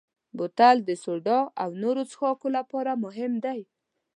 بوتل د سوډا او نورو څښاکو لپاره مهم دی.